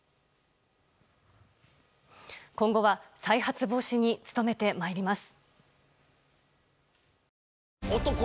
今後は、再発防止に努めてまいります。